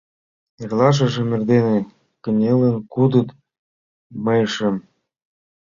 Эрлашыжым эрдене, кынелын, кудыт мийышым.